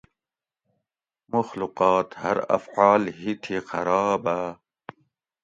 مخلوقات ہر افعال ہِتھی خرابہ